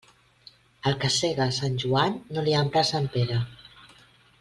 El que sega a Sant Joan no li ampra a Sant Pere.